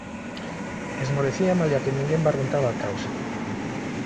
Esmorecía, malia que ninguén barruntaba a causa.